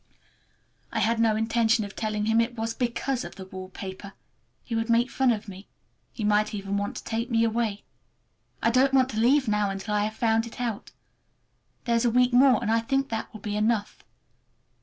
I had no intention of telling him it was because of the wallpaper—he would make fun of me. He might even want to take me away. I don't want to leave now until I have found it out. There is a week more, and I think that will be enough.